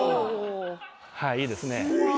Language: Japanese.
はいいいですね。